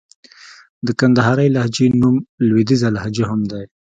د کندهارۍ لهجې نوم لوېديځه لهجه هم دئ.